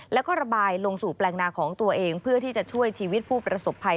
แล้วก็ระบายลงสู่แปลงนาของตัวเองเพื่อที่จะช่วยชีวิตผู้ประสบภัย